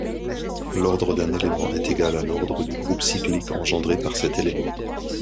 L'ordre d'un élément est égal à l'ordre du groupe cyclique engendré par cet élément.